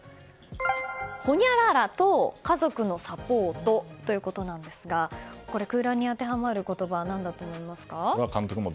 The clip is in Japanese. ほにゃららと家族のサポートということなんですがこれ、空欄に当てはまる言葉何だと思いますか？